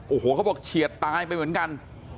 โอ้โหเขาบอกเฉียดตายไปเหมือนกัน